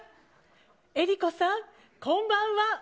江里子さん、こんばんは。